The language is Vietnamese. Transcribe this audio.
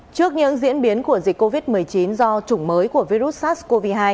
trước những diễn biến của dịch covid một mươi chín do chủng mới của virus sars cov hai